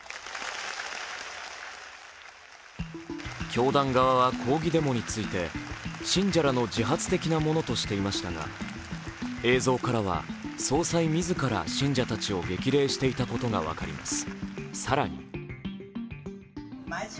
教団側は抗議デモについて、信者らの自発的なものとしていましたが、映像からは、総裁自ら信者たちを激励していたことが分かります。